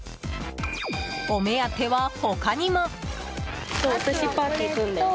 お目当ては他にも。